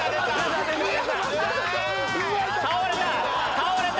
倒れた！